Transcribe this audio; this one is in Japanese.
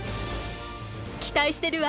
期待してるわ。